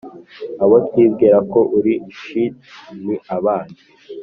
abo twibwira ko uri shiti ni abanzi